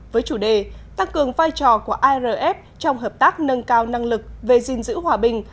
với chủ đề tăng cường vai trò của arf trong hợp tác nâng cao năng lực về gìn giữ hòa bình